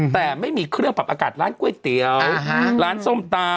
แต่ไม่มีเครื่องปรับอากาศร้านก๋วยเตี๋ยวร้านส้มตำ